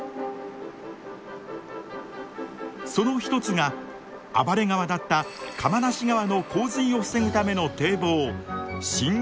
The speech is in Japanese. その一つが暴れ川だった釜無川の洪水を防ぐための堤防信玄堤です。